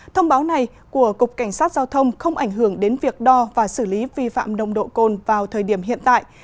thông báo này của cục cảnh sát giao thông không ảnh hưởng đến việc đo và xử lý vi phạm nông độ côn vào thời điểm hiện tại